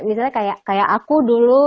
misalnya kayak aku dulu